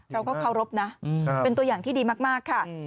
เราก็เคารพนะเป็นตัวอย่างที่ดีมากค่ะ